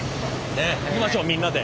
ねっいきましょうみんなで。